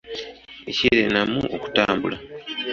Ekira ennamu okutambula.